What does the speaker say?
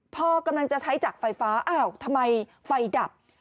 พอกำลังจะใช้จากไฟฟ้าอ้าวทำไมไฟดับ